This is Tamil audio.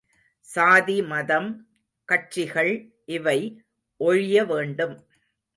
சாதி மதம், கட்சிகள் இவை ஒழியவேண்டும்.